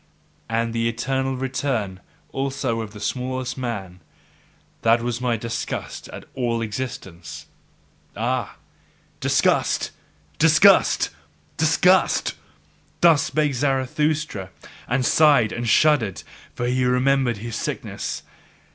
And the eternal return also of the smallest man! that was my disgust at all existence! Ah, Disgust! Disgust! Disgust! Thus spake Zarathustra, and sighed and shuddered; for he remembered his sickness.